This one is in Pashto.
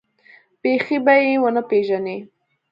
بيخي به يې ونه پېژنې.